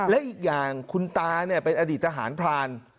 และอีกอย่างคุณตาเป็นอดีตทหารพราน